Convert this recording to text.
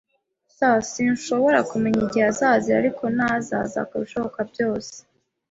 [S] Sinshobora kumenya igihe azazira, ariko naza, azakora ibishoboka byose.